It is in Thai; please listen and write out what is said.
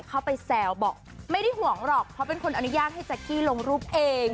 เข้าไปแซวบอกไม่ได้ห่วงหรอกเพราะเป็นคนอนุญาตให้แจ๊กกี้ลงรูปเอง